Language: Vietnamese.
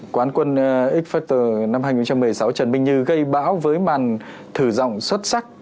quán quân xoter năm hai nghìn một mươi sáu trần minh như gây bão với màn thử giọng xuất sắc